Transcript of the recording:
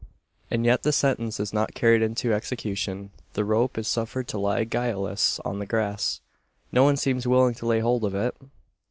And yet the sentence is not carried into execution. The rope is suffered to lie guileless on the grass. No one seems willing to lay hold of it!